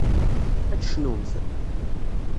Ad tecnumt?